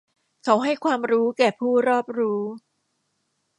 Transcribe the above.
เขาให้ความรู้แก่ผู้รอบรู้